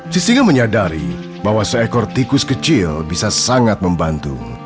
sisinga menyadari bahwa seekor tikus kecil bisa sangat membantu